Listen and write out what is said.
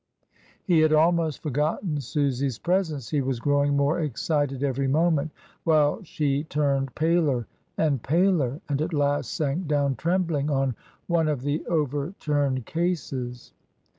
'' He had almost forgotten Susy's presence; he was growing more excited every moment, while she turned paler and paler, and at last sank down trembling on one of the over turned cases.